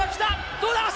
どうだ！